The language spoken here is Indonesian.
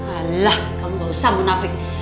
alah kamu ga usah munafik